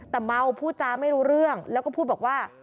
แต่เมาพูดจาไม่รู้เรื่องแล้วก็พูดบอกว่า